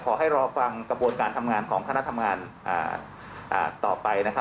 รอให้รอฟังกระบวนการทำงานของคณะทำงานต่อไปนะครับ